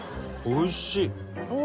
おいしい！